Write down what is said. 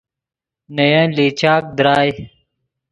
نے ین لیچاک درائے